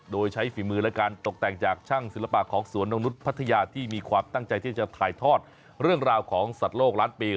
โดยใช้ฝีมือและการตกแต่งจากช่างศิลปะของสวนนกนุษย์พัทยาที่มีความตั้งใจที่จะถ่ายทอดเรื่องราวของสัตว์โลกล้านปี